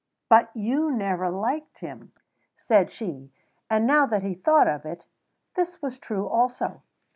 "But you never liked him," said she; and now that he thought of it, this was true also.